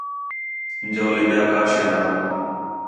جَولے ٻِیا کا شے نا ہا